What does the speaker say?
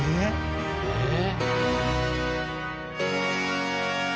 えっ？